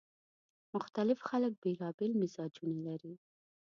مختلف خلک بیلابېل مزاجونه لري